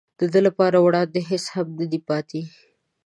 د ده لپاره وړاندې هېڅ هم نه دي پاتې.